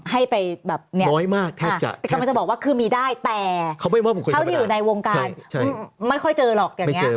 ให้ไปแบบเนี่ยแต่ก็ไม่จะบอกว่าคือมีได้แต่เขาอยู่ในวงการไม่ค่อยเจอหรอกอย่างเนี่ย